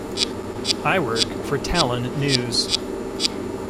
I work for Talon News.